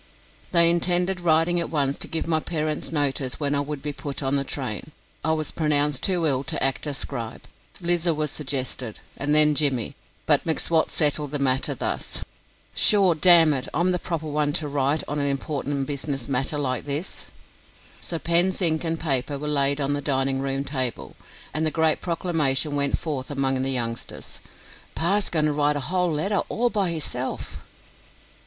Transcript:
They intended writing at once to give my parents notice when I would be put on the train. I was pronounced too ill to act as scribe; Lizer was suggested, and then Jimmy, but M'Swat settled the matter thus: "Sure, damn it! I'm the proper one to write on an important business matther like this here." So pens, ink, and paper were laid on the dining room table, and the great proclamation went forth among the youngsters, "Pa is goin' to write a whole letter all by hisself."